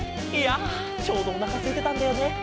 いやちょうどおなかすいてたんだよね。